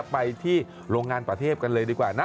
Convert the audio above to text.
ไปที่โรงงานป่าเทพกันเลยดีกว่านะ